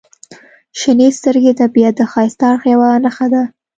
• شنې سترګې د طبیعت د ښایسته اړخ یوه نښه ده.